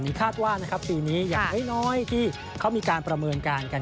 คาดว่านะครับปีนี้อย่างน้อยที่เขามีการประเมินการกัน